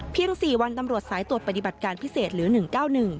๔วันตำรวจสายตรวจปฏิบัติการพิเศษหรือ๑๙๑